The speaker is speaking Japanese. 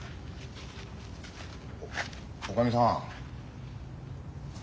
おかみさん。